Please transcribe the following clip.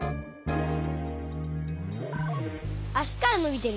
あしからのびてる。